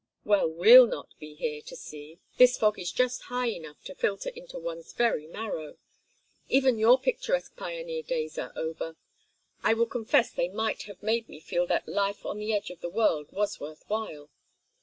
"Well, we'll not be here to see. This fog is just high enough to filter into one's very marrow even your picturesque pioneer days are over; I will confess they might have made me feel that life on the edge of the world was worth while.